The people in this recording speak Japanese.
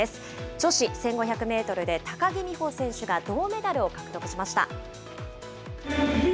女子１５００メートルで高木美帆選手が銅メダルを獲得しました。